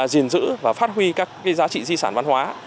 gìn giữ và phát huy các giá trị di sản văn hóa